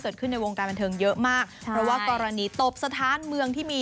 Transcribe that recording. เกิดขึ้นในวงการบรรเทิงเยอะมากผมว่ากรณีตบสถานเมืองที่มี